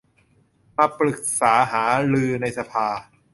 มาปรึกษาหารือในสภา